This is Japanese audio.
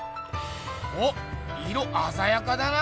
おっ色あざやかだな